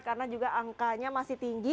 karena juga angkanya masih tinggi